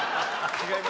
違います